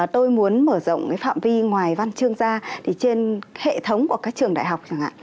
tôi muốn mở rộng phạm vi ngoài văn chương ra thì trên hệ thống của các trường đại học chẳng hạn